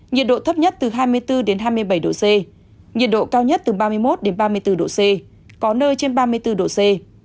nhiệt độ thấp nhất từ hai mươi bốn hai mươi bảy độ c nhiệt độ cao nhất từ ba mươi một ba mươi bốn độ c có nơi trên ba mươi bốn độ c